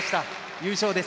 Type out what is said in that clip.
優勝です。